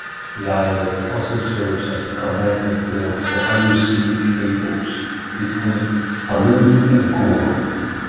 The island also serves as the connecting point for undersea cables between Honolulu and Guam.